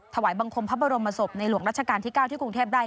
ถวายบังคมพระบรมศพในหลวงรัชกาลที่๙ที่กรุงเทพได้